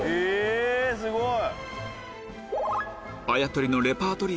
すごい！